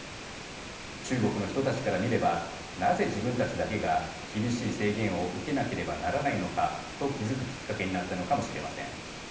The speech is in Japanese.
中国の人たちから見ればなぜ自分たちだけが厳しい制限を受けなければならないのかと気付くきっかけになったのかもしれません。